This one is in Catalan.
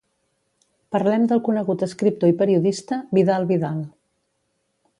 Parlem del conegut escriptor i periodista Vidal Vidal.